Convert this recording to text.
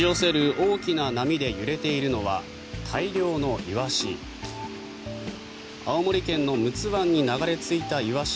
大きな波で揺れているのは大量のイワシ。